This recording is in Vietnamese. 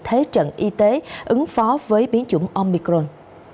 thế trận y tế ứng phó với biến chủng omicron